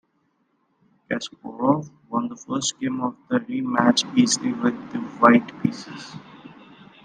Kasparov won the first game of the rematch easily with the white pieces.